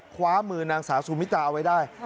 คว้ามือนางสาวซูมิตาเอาไว้ได้